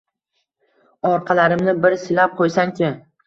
Orqalarimni bir silab qo‘ysang-chi